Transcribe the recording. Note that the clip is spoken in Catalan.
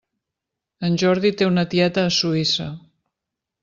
En Jordi té una tieta a Suïssa.